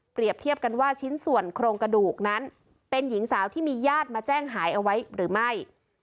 เทียบกันว่าชิ้นส่วนโครงกระดูกนั้นเป็นหญิงสาวที่มีญาติมาแจ้งหายเอาไว้หรือไม่